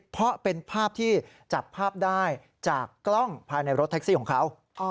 เพราะเป็นภาพที่จับภาพได้จากกล้องภายในรถแท็กซี่ของเขา